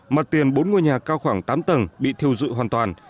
mặt tiền bốn ngôi nhà cao khoảng tám tầng bị thiêu dụi hoàn toàn